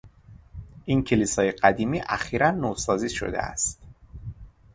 این کلیسای قدیمی اخیرا نوسازی شده است.